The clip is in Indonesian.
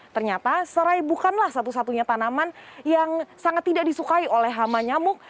ternyata serai bukanlah satu satunya tanaman yang sangat tidak disukai oleh hama nyamuk